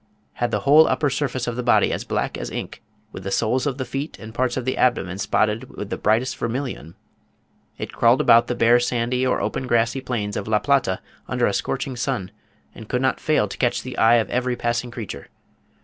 p. 49.), had the whole upper surface of the body as black as ink, with the soles of the feet and parts of the abdomen spotted with the brightest vermilion. It crawled about the bare sandy or open grassy plains of La Plata under a scorching sun, and could not fail to catch the eye of every passing creature.